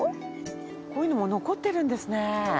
こういうのも残ってるんですね。